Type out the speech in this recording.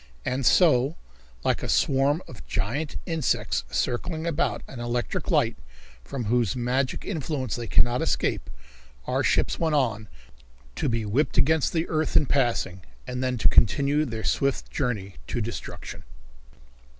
And so, like a swarm of giant insects circling about an electric light from whose magic influence they cannot escape, our ships went on, to be whipped against the earth in passing and then to continue their swift journey to destruction.